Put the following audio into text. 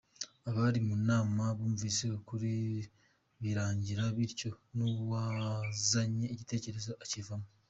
Abari mu nama bumvise ukuri birangira bityo n’uwazanye igitekerezo akivaho.